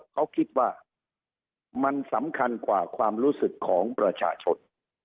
เขาคิดว่ามันสำคัญกว่าความรู้สึกของประชาชน